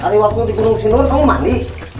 hari waktu di gunung sinur kamu mandi